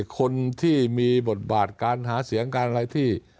คนที่มีบทบาทการหาเสียงการอะไรที่